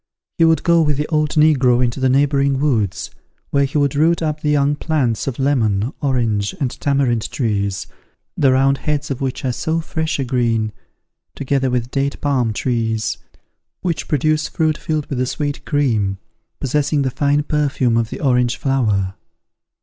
He would go with the old negro into the neighbouring woods, where he would root up the young plants of lemon, orange, and tamarind trees, the round heads of which are so fresh a green, together with date palm trees, which produce fruit filled with a sweet cream, possessing the fine perfume of the orange flower.